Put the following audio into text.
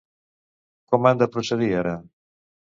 Com han de procedir ara?